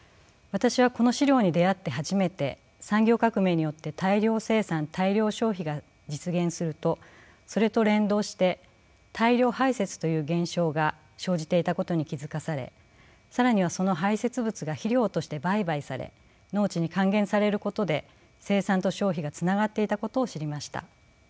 私はこの史料に出会って初めて産業革命によって大量生産大量消費が実現するとそれと連動して大量排泄という現象が生じていたことに気付かされ更にはその排泄物が肥料として売買され農地に還元されることで生産と消費がつながっていたことを知りました。